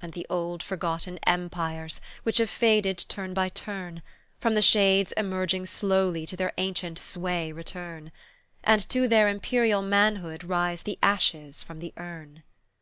And the old forgotten empires, which have faded turn by turn, From the shades emerging slowly to their ancient sway return, And to their imperial manhood rise the ashes from the urn.